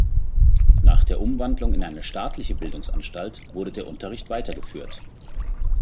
Nach der Umwandlung in eine staatliche Bildungsanstalt wurde der Unterricht weitergeführt.